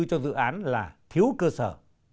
cho dự án là thiếu cơ sở